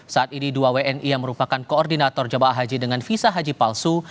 saat ini dua wni yang merupakan koordinator jemaah haji dengan visa haji palsu